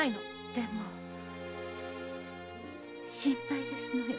でも心配ですのよ。